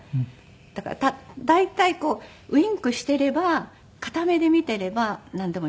だから大体こうウィンクしていれば片目で見ていればなんでも見えるんだけど。